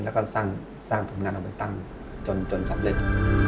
แล้วก็สร้างผลงานออกไปตั้งจนสำเร็จ